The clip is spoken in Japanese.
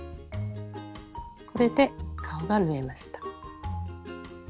これで顔が縫えました。